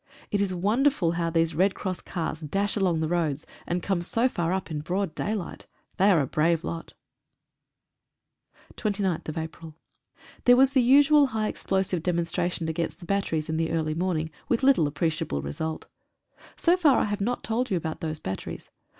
It is wonderful how these Red Cross cars dash along the roads, and come so far up in broad daylight. They are a brave lot. 29th April There was the usual high explosive demonstration against the batteries in the early morning, with little appreciable result. So far T have not told you about those batteries.